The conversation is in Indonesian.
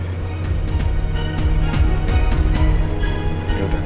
kita disuruh datang